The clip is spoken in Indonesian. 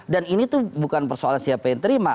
dan ini tuh bukan persoalan siapa yang terima